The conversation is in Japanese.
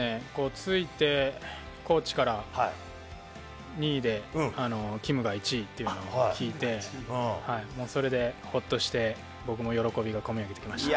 ついてコーチから２位でキムが１位って聞いて、それでホッとして、僕も喜びが込み上げてきました。